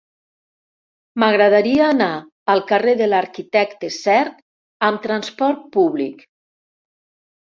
M'agradaria anar al carrer de l'Arquitecte Sert amb trasport públic.